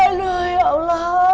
aduh ya allah